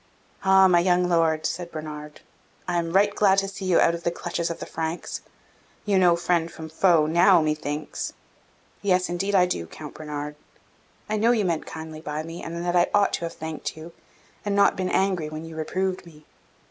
"Ah, my young Lord," said Bernard, "I am right glad to see you out of the clutches of the Franks! You know friend from foe now, methinks!" "Yes, indeed I do, Count Bernard. I know you meant kindly by me, and that I ought to have thanked you, and not been angry, when you reproved me.